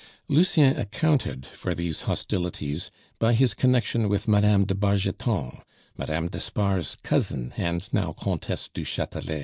Lucien accounted for these hostilities by his connection with Madame de Bargeton, Madame d'Espard's cousin, and now Comtesse du Chatelet.